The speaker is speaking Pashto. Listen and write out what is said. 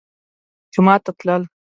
جومات ته تلل